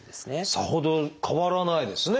さほど変わらないですね。